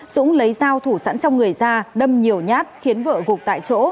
dũng lấy dao thủ sẵn trong người ra đâm nhiều nhát khiến vợ gục tại chỗ